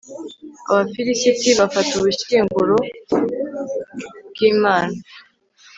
abafilisiti bafata ubushyinguro bw'imana